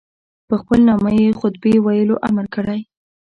په خپل نامه یې خطبې ویلو امر کړی.